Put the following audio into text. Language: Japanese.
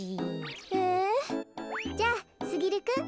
えじゃあすぎるくん。